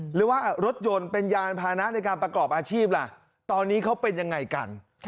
หรือว่ารถยนต์เป็นยานพานะในการประกอบอาชีพล่ะตอนนี้เขาเป็นยังไงกัน